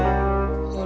din lu kagak kerja